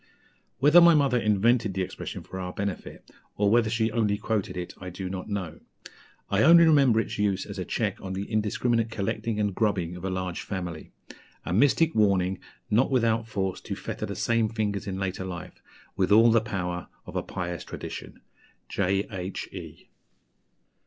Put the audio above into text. Whether my mother invented the expression for our benefit, or whether she only quoted it, I do not know. I only remember its use as a check on the indiscriminate 'collecting' and 'grubbing' of a large family; a mystic warning not without force to fetter the same fingers in later life, with all the power of a pious tradition." J.H.E.